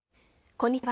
こんにちは。